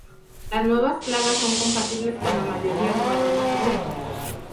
Las nuevas Plagas son compatibles con la mayoría de varones adultos.